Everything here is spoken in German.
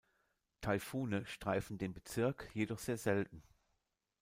Taifune streifen den Bezirk jedoch sehr selten.